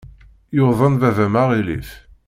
Yuḍen baba-m aɣilif.